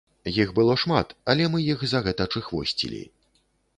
Іх было шмат, але мы іх за гэта чыхвосцілі.